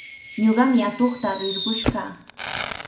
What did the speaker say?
Ñuqami atuqta rirqush kaa.